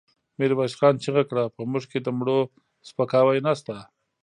ميرويس خان چيغه کړه! په موږ کې د مړو سپکاوی نشته.